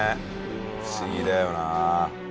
不思議だよな。